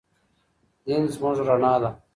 دين زموږ رڼا ده.